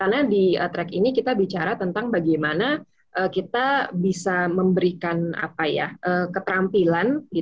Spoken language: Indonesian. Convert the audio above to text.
karena di track ini kita bicara tentang bagaimana kita bisa memberikan ketampilan